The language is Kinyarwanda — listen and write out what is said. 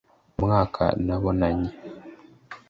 Mu mwaka wa nabonanye